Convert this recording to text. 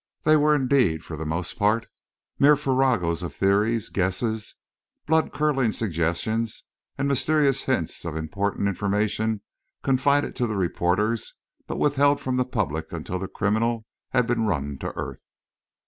They were, indeed, for the most part, mere farragos of theories, guesses, blood curdling suggestions, and mysterious hints of important information confided to the reporters but withheld from the public until the criminal had been run to earth.